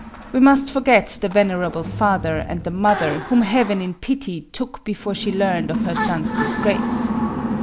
We must forget the venerable father and the mother whom Heaven in pity took before she learned of her son's disgrace.